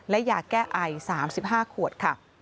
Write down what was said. และยาแก้ไอ๓๕ขวดค่ะ